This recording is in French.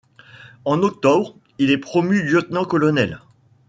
En octobre, il est promu lieutenant-colonel.